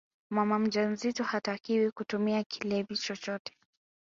mama mjamzito hatakiwi kutumia kilevi chochote